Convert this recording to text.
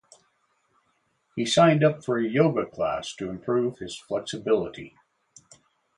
He signed up for a yoga class to improve his flexibility.